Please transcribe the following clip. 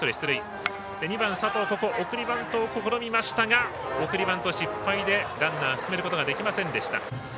その後送りバントを試みましたが送りバント失敗でランナー進めることができませんでした。